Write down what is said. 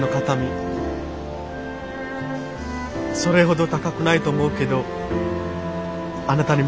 それほど高くないと思うけどあなたに持っていてほしい。